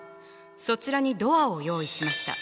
そちらにドアを用意しました。